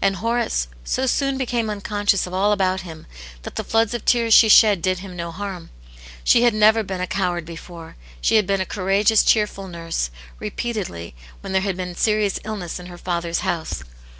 And Horace so soon became unconscious of all about him that the floods of tears she shed did him no harm. She had xi^vw \i^^t^ ^ v^^'^^^ 146 A?i;it yane's Hero before ; she had been a courageous, cheerful nurse> repeatedly, when there had been serious illness in her father's house.